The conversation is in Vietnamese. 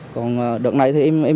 còn đợt này thì em chưa